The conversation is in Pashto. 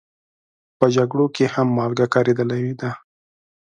په جګړو کې هم مالګه کارېدلې ده.